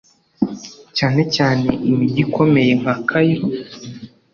Cyane cyane imijyi ikomeye nka Cairo